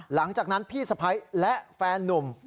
หลังจากนั้นพี่สะพ้ายและแฟนนุ่ม